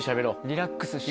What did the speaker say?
リラックスして。